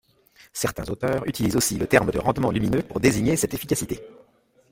Certains auteurs utilisent aussi le terme de rendement lumineux pour désigner cette efficacité.